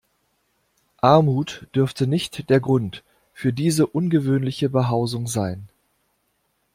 Armut dürfte nicht der Grund für diese ungewöhnliche Behausung sein.